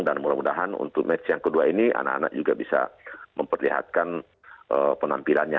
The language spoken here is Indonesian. dan mudah mudahan untuk match yang kedua ini anak anak juga bisa memperlihatkan penampilannya